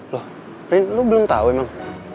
lo belum tau emang